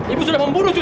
ibu sudah jelas baw